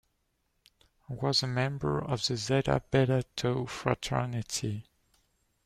Was a member of the Zeta Beta Tau fraternity.